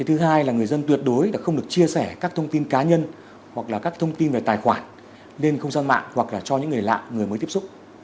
thứ hai là người dân tuyệt đối không được chia sẻ các thông tin cá nhân hoặc là các thông tin về tài khoản lên không gian mạng hoặc là cho những người lạ người mới tiếp xúc